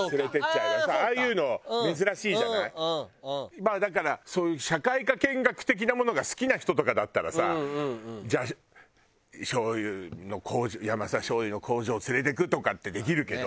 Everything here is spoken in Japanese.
まあだからそういう社会科見学的なものが好きな人とかだったらさじゃあ醤油の工場ヤマサ醤油の工場連れていくとかってできるけど。